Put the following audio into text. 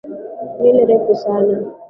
Nywele refu sana.